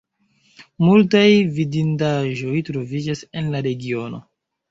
Multaj vidindaĵoj troviĝas en la regiono.